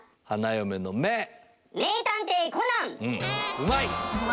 うまい！